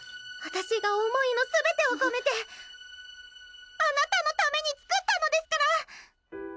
私が想いの全てを込めてあなたのために作ったのですから！